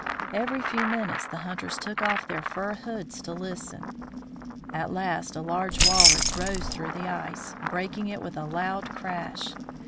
Every few minutes the hunters took off their fur hoods to listen. At last a large walrus rose through the ice, breaking it with a loud crash.